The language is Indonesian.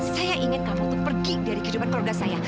saya ingin kamu untuk pergi dari kehidupan keluarga saya